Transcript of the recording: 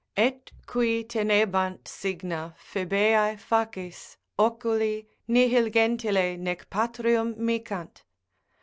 Et qui tenebant signa Phoebeae facis Oculi, nihil gentile nec patrium micant.